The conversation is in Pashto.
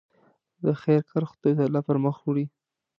د خیر کار خدای تعالی پر مخ وړي.